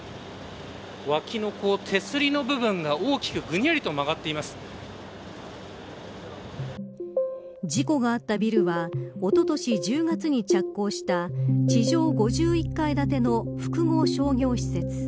脇の手すりの部分が大きくぐにゃりと事故があったビルはおととし１０月に着工した地上５１階建ての複合商業施設。